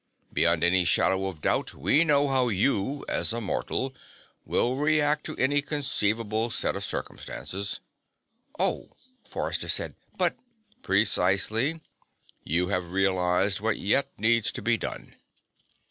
Beyond any shadow of doubt, we know how you, as a mortal, will react to any conceivable set of circumstances." "Oh," Forrester said. "But " "Precisely. You have realized what yet needs to be done.